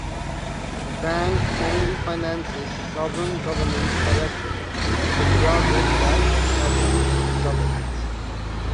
The Bank only finances sovereign governments directly, or projects backed by sovereign governments.